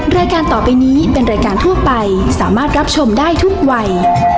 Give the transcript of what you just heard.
รายการต่อไปนี้เป็นรายการทั่วไปสามารถรับชมได้ทุกวัย